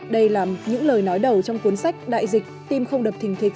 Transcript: đây là những lời nói đầu trong cuốn sách đại dịch tim không đập thình thịt